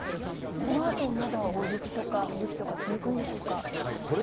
このあともまだ、大雪とか、吹雪とか続くんでしょうか。